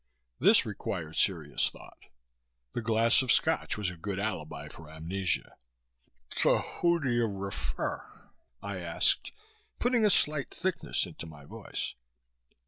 This required serious thought. The glass of Scotch was a good alibi for amnesia. "To whom do you refer?" I asked, putting a slight thickness into my voice.